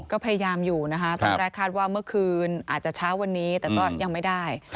ก็พยายามอยู่นะคะตอนแรกคาดว่าเมื่อคืนอาจจะเช้าวันนี้แต่ก็ยังไม่ได้